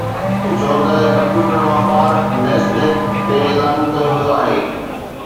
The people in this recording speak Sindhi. ڇو ته ڪمپيوٽر واپار NASDAQ تي لاڳو ڪيو ويو آهي